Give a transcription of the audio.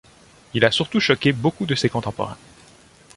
Il a surtout choqué beaucoup de ses contemporains.